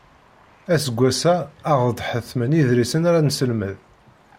Aseggas-a ad aɣ-d-ḥettmen iḍrisen ara nesselmed.